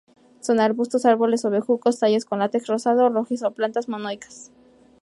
Son arbustos, árboles o bejucos, tallos con látex rosado o rojizo; plantas monoicas.